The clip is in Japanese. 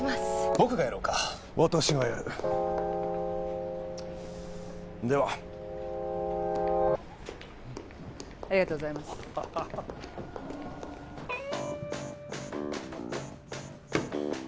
僕がやろうか私がやるではありがとうございますハハハ